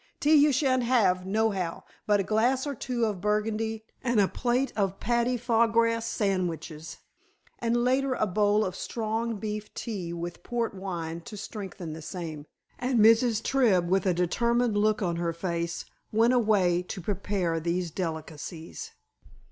Tea you shan't have, nohow, but a glass or two of burgundy, and a plate of patty foo grass sandwiches, and later a bowl of strong beef tea with port wine to strengthen the same," and Mrs. Tribb, with a determined look on her face, went away to prepare these delicacies.